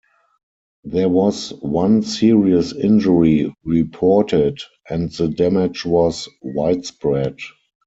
There was one serious injury reported and the damage was widespread.